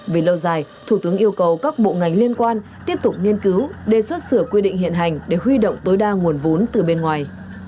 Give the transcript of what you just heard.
về lâu dài thủ tướng yêu cầu các bộ ngành liên quan tiếp tục nghiên cứu đề xuất sửa quy định hiện hành để huy động tối đa nguồn vốn từ bên ngoài